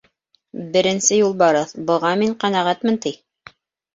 Беренсе Юлбарыҫ: «Быға мин ҡәнәғәтмен», — ти.